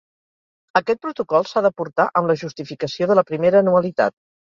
Aquest protocol s'ha d'aportar amb la justificació de la primera anualitat.